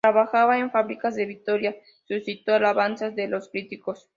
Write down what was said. Trabajada en fábricas de Vitoria, suscitó alabanzas de los críticos.